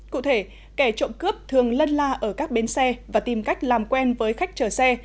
cụ thể kẻ trộm cướp thường lân la ở các bến xe và tìm cách làm quen với khách chờ xe